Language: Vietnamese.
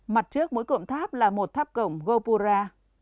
mặt trước mỗi cụm tháp là một tháp cổng gopura